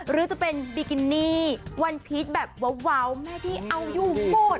หรือจะเป็นบิกินี่วันพีชแบบว้าวแม่ที่เอาอยู่หมด